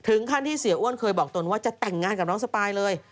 ขั้นที่เสียอ้วนเคยบอกตนว่าจะแต่งงานกับน้องสปายเลย